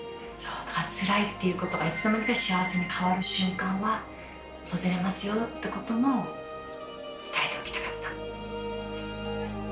つらいってことはいつの間にか幸せに変わる瞬間は訪れますよってことも伝えておきたかった。